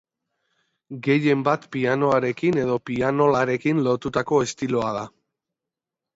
Gehienbat pianoarekin edo pianolarekin lotutako estiloa da.